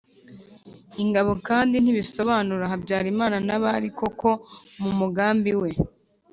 ingabo kandi, ntibisobanura habyarimana n'abari koko mu mugambi we,